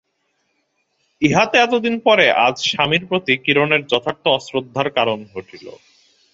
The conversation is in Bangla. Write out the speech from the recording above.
ইহাতে এতদিন পরে আজ স্বামীর প্রতি কিরণের যথার্থ অশ্রদ্ধার কারণ ঘটিল।